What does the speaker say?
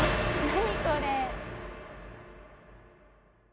何これ。